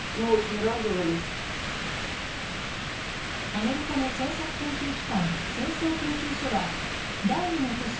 アメリカの政策研究機関戦争研究所は第２の都市